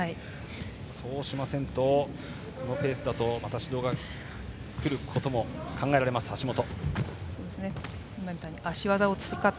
そうしませんとこのペースだとまた指導が来ることも考えられます、橋本。